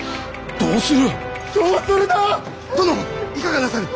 どうする！？